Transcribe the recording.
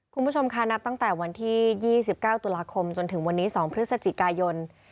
คุณผู้ชมค่ะนับตั้งแต่วันที่๒๙ตุลาคมจนถึงวันนี้๒พฤศจิกายน